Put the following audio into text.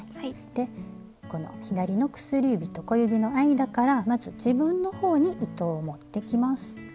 でこの左の薬指と小指の間からまず自分の方に糸を持ってきます。